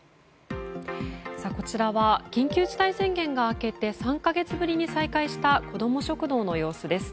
こちらは緊急事態宣言が明けて、３か月ぶりに再開したこども食堂の様子です。